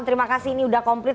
terima kasih ini sudah komplit